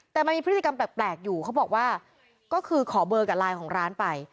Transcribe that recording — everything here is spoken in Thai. แต่มันมีพฤติกรรมแปลกอยู่เขาบอกว่าก็คือขอเบอร์กับไลน์ของร้านไป